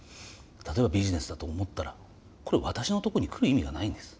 例えばビジネスだと思ったらこれ私のとこに来る意味がないんです。